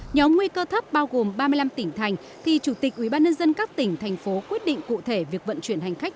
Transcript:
nhóm nguy cơ thấp bao gồm ba mươi năm tỉnh thành thì chủ tịch ubnd các tỉnh thành phố quyết định cụ thể việc vận chuyển hành khách